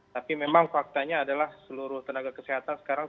tapi memang faktanya adalah seluruh tenaga kesehatan sekarang